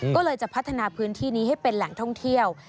ก็เลยจะพัฒนาพื้นที่นี้ให้เป็นแหล่งท่องเที่ยว